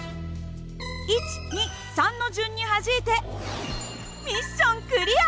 １２３の順にはじいてミッションクリア！